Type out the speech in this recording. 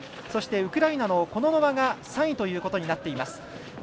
そして、ウクライナのコノノバが３位ということになっています。